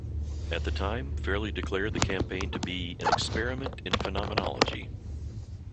At the time, Fairey declared the campaign to be "an experiment in phenomenology".